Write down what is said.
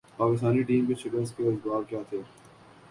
Pakistani team کے شکست کے اسباب کیا تھے ۔